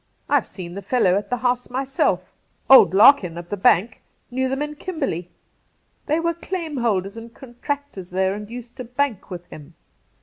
I've seen the fellow at the house myself Old Larkin, of the Bank, knew them in Kimberley. They were claim holders and contractors there and used to bank with him.